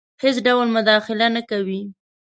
هیڅ ډول مداخله نه کوي.